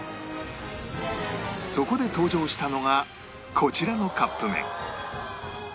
そこで登場したのがこちらのカップ麺